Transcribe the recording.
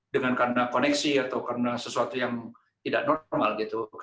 dengan karena koneksi atau karena sesuatu yang tidak normal gitu